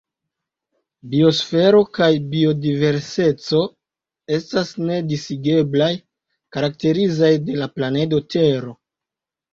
Biosfero kaj biodiverseco estas ne disigeblaj, karakterizaj de la planedo Tero.